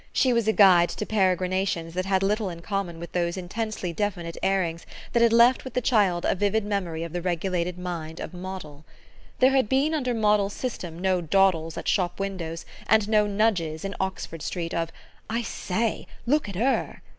She was a guide to peregrinations that had little in common with those intensely definite airings that had left with the child a vivid memory of the regulated mind of Moddle. There had been under Moddle's system no dawdles at shop windows and no nudges, in Oxford Street, of "I SAY, look at 'ER!"